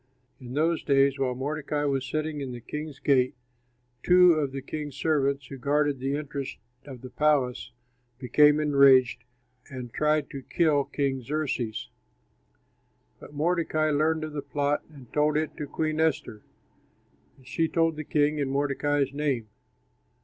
In those days while Mordecai was sitting in the king's gate, two of the king's servants, who guarded the entrance of the palace, became enraged and tried to kill King Xerxes. But Mordecai learned of the plot and told it to Queen Esther, and she told the king in Mordecai's name.